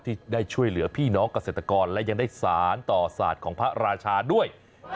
ที่ได้ช่วยเหลือพี่น้องเกษตรกรและยังได้สารต่อศาสตร์ของพระราชาด้วย